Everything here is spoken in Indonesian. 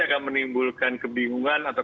akan menimbulkan kebingungan atau